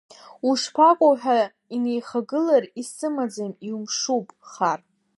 Ушԥаҟоу ҳәа инеихагылар, исымаӡам, имшуп, хар…